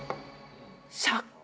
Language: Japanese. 借金。